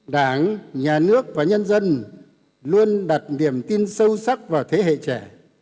đảng nhà nước và nhân dân luôn đặt niềm tin sâu sắc vào thế hệ trẻ